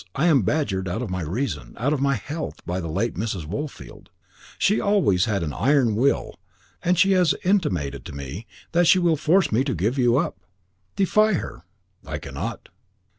I am badgered out of my reason, out of my health, by the late Mrs. Woolfield. She always had an iron will, and she has intimated to me that she will force me to give you up." "Defy her." "I cannot."